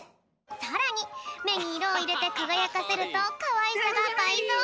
さらにめにいろをいれてかがやかせるとかわいさがばいぞう！